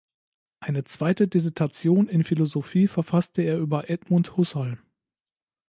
Eine zweite Dissertation in Philosophie verfasste er über Edmund Husserl.